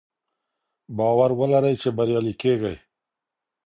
باور ولرئ چې بریالي کیږئ.